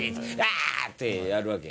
あーっ！ってやるわけ。